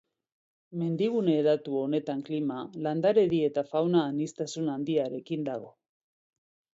Mendigune hedatu honetan klima, landaredi eta fauna aniztasun handia dago.